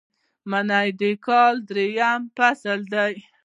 منی د کال دریم فصل دی